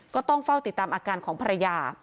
ก็ต้องเฝ้าติดตามอาการของภรรยา